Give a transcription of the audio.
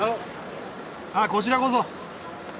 あこちらこそ。